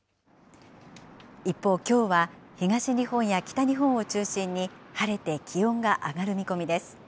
一方、きょうは東日本や北日本を中心に、晴れて気温が上がる見込みです。